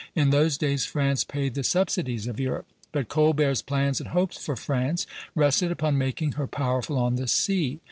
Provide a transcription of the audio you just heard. In those days France paid the subsidies of Europe; but Colbert's plans and hopes for France rested upon making her powerful on the sea.